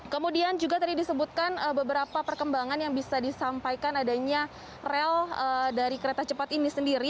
kemudian juga tadi disebutkan beberapa perkembangan yang bisa disampaikan adanya rel dari kereta cepat ini sendiri